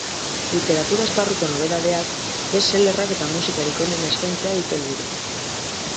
Literatura esparruko nobedadeak, best sellerak eta musikarik onena eskaintzea dute helburu.